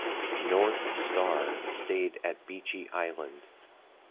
"North Star" stayed at Beechy Island.